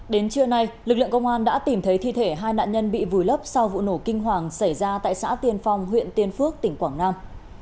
đến trưa nay lực lượng công an đã tìm thấy thi thể hai nạn nhân bị vùi lấp sau vụ nổ kinh hoàng xảy ra tại xã tiên phong huyện tiên phước tỉnh quảng nam